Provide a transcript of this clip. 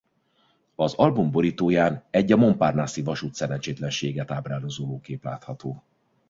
Az album borítóján egy a Montparnasse-i vasúti szerencsétlenséget ábrázoló kép látható.